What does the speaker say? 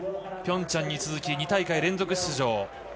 ピョンチャンに続き２大会連続出場。